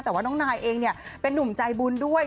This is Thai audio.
แต่ว่าน้องนายเองเนี่ยเป็นนุ่มใจบุญด้วย